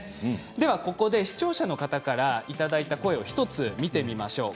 では、ここで視聴者の方からいただいた声を１つ見てみましょう。